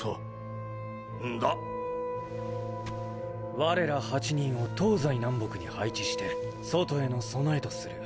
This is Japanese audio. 我ら８人を東西南北に配置して外への備えとする。